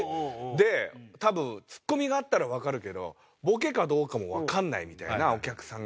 多分ツッコミがあったらわかるけどボケかどうかもわからないみたいなお客さんが。